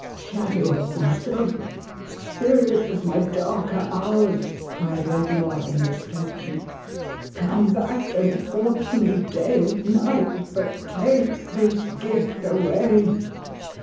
" Shadow of myself ! Spirit of my darker hours !" cried Redlaw, in distraction. "Come back, ai.d haunt me day and night, but take this gift away